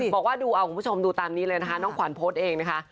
บอกว่าดูเอาคุณผู้ชมดูตามนี้เลยนะคะน้องขวัญโพสต์เองนะคะ